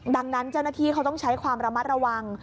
ดังนั้นเจ้าหน้าที่เขาต้องใช้ความระมัดระวัง